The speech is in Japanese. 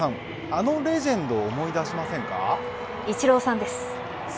あのレジェンドを思い出しませんか。